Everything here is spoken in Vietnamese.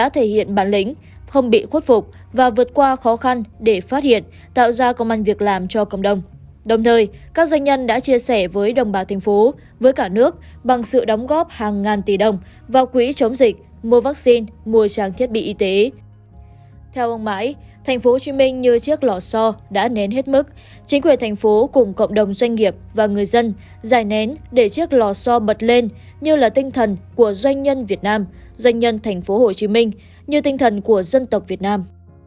thành phố hồ chí minh như chiếc lò xo đã nén hết mức chính quyền thành phố cùng cộng đồng doanh nghiệp và người dân dài nén để chiếc lò xo bật lên như là tinh thần của doanh nhân việt nam doanh nhân thành phố hồ chí minh như tinh thần của dân tộc việt nam